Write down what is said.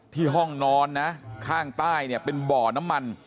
ห้องนอนนะข้างใต้เนี่ยเป็นบ่อน้ำมัน